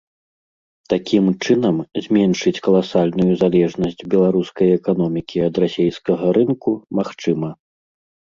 Такім чынам, зменшыць каласальную залежнасць беларускай эканомікі ад расейскага рынку магчыма.